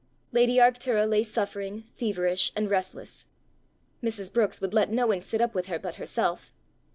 Lady Arctura lay suffering, feverish, and restless. Mrs. Brookes would let no one sit up with her but herself.